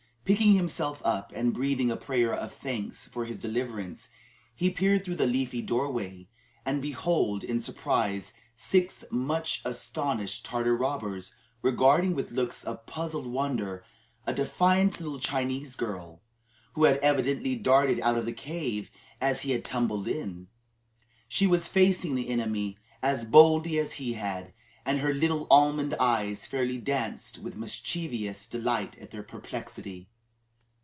Picking himself up and breathing a prayer of thanks for his deliverance, he peered through the leafy doorway and beheld in surprise six much astonished Tartar robbers regarding with looks of puzzled wonder a defiant little Chinese girl, who had evidently darted out of the cave as he had tumbled in. She was facing the enemy as boldly as had he, and her little almond eyes fairly danced with mischievous delight at their perplexity.